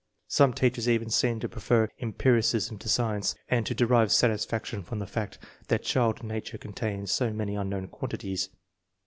Some teachers even seem to prefer empiri cism to science, and to derive satisfaction from the fact that child nature contains so many unknown quantities.